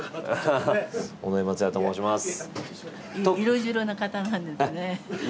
尾上松也と申します。